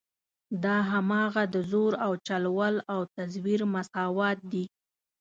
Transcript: دا هماغه د زور او چل ول او تزویر مساوات دي.